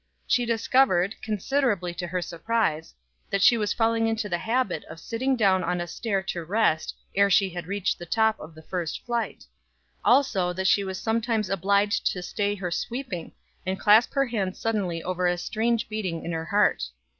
She discovered, considerably to her surprise, that she was falling into the habit of sitting down on a stair to rest ere she had reached the top of the first flight; also, that she was sometimes obliged to stay her sweeping and clasp her hands suddenly over a strange beating in her heart.